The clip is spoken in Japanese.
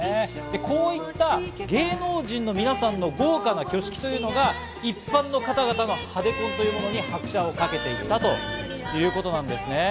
こういった芸能人の皆さんの豪華な挙式というのが一般の方々のハデ婚というものに拍車をかけていったということなんです。